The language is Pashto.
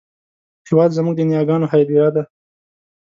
هېواد زموږ د نیاګانو هدیره ده